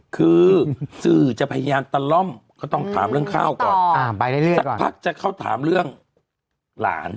คือสื่อจะพยายามตะล่อมก็ต้องถามเรื่องข้าวก่อนสักพักจะเข้าถามเรื่องหลาน